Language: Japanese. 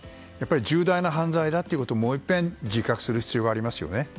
重大な犯罪だということをもういっぺん自覚する必要がありますよね。